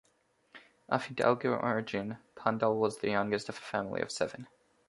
Of Hidalgo origin, Pondal was the youngest of a family of seven.